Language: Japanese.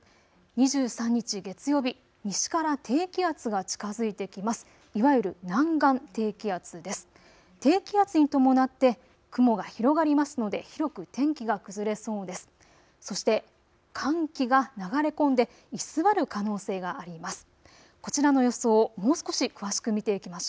２３日、月曜日、西から低気圧が近づいて来ます。